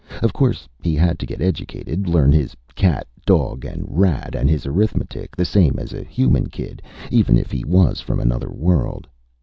Of course he had to get educated, learn his cat, dog and rat, and his arithmetic, the same as a human kid, even if he was from another world.